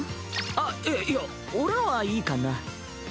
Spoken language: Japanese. あっいいや俺はいいかな。